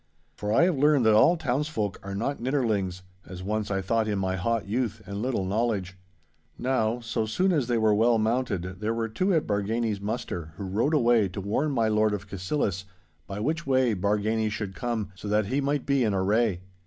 For I have learned that all townsfolk are not nidderlings, as once I thought in my hot youth and little knowledge. Now, so soon as they were well mounted there were two at Bargany's muster who rode away to warn my Lord of Cassillis by which way Bargany should come, so that he might be in array.